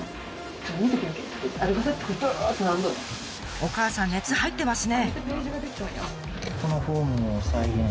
お母さん熱入ってますね。